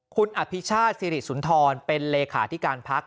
คุณอภิชาติสิริสุนทรเป็นเลขาธิการพัก